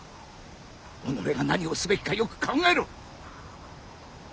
己が何をすべきかよく考えろ！